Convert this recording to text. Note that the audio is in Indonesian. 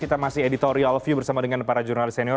kita masih editorial of you bersama dengan para jurnalist senior